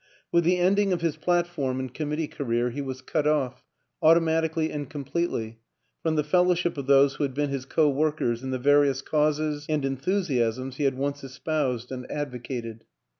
With the ending of WILLIAM AN ENGLISHMAN 231 his platform and committee career he was cut off, automatically and completely, from the fellow ship of those who had been his co workers in the various causes and enthusiasms he had once es poused and advocated.